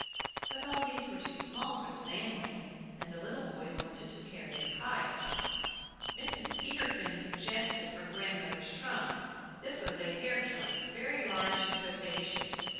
But all these were too small for the family. And the little boys wanted to carry their kite. Mrs. Peterkin suggested her grandmother's trunk. This was a hair trunk, very large and capacious.